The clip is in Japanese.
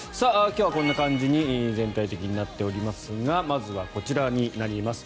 今日はこんな感じに全体的になっておりますがまずはこちらになります。